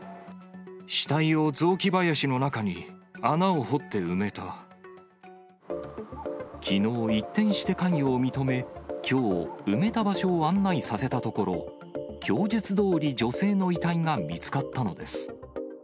死体を雑木林の中に穴を掘っきのう、一転して関与を認め、きょう、埋めた場所を案内させたところ、供述どおり、女性の遺体が見つかったのです。